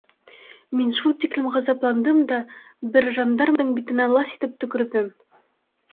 Мин шул тиклем ғазапландым да бер жандармдың битенә лас итеп төкөрҙөм.